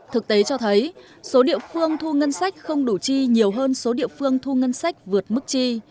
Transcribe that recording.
thực tế cho thấy số địa phương thu ngân sách không đủ chi nhiều hơn số địa phương thu ngân sách vượt mức chi